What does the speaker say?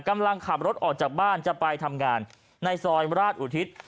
กำลังขับรถออกจากบ้านจะไปทำงานในซอยราชอุทิศ